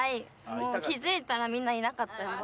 もう気づいたらみんないなかったです。